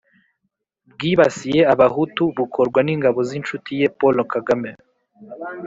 bwibasiye abahutu bukorwa n'ingabo z'incuti ye paul kagame.